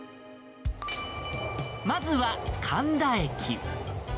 まずは神田駅。